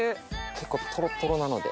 結構トロトロなので。